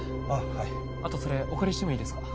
はいあとそれお借りしてもいいですか？